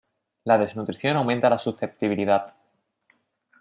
La desnutrición aumenta la susceptibilidad.